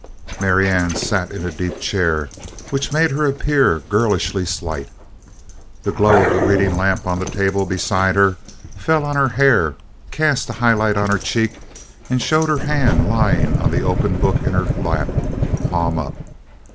Marianne sat in a deep chair which made her appear girlishly slight. The glow of the reading lamp on the table beside her fell on her hair, cast a highlight on her cheek, and showed her hand lying on the open book in her lap, palm up.